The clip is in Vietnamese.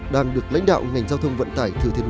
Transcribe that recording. đang được lãnh đạo ngành giao thông vận tải thừa thiên huế